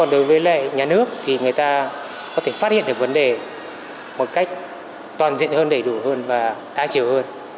đối với lại nhà nước thì người ta có thể phát hiện được vấn đề một cách toàn diện hơn đầy đủ hơn và đa chiều hơn